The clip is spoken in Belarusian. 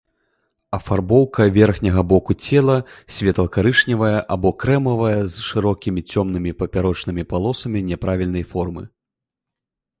Афарбоўка верхняга боку цела светла-карычневая або крэмавая з шырокімі цёмнымі папярочнымі палосамі няправільнай формы.